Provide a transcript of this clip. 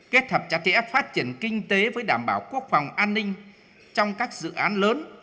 kết hợp chặt chẽ phát triển kinh tế với đảm bảo quốc phòng an ninh trong các dự án lớn